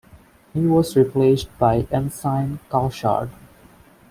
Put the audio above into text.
He was replaced by Ensign Cauchard.